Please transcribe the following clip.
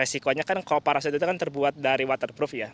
nah resikonya kan kooperasi itu kan terbuat dari waterproof ya